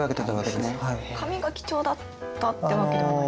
紙が貴重だったってわけではないんですか？